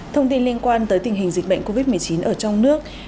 thông tin liên quan tới tình hình dịch bệnh covid một mươi chín ở trong nước